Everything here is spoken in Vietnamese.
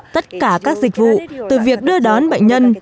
tất cả các dịch vụ từ việc đưa đón bệnh nhân